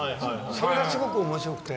それがすごく面白くて。